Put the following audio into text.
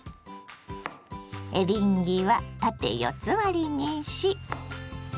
エリンギは縦四つ割りにし。